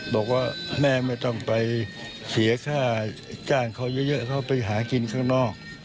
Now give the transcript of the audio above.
บอกว่าแม่ไม่ต้องไปเสียค่าจ้างเขาเยอะเขาไปหากินข้างนอก